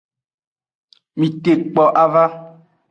Mitekpo ava.